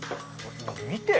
見て！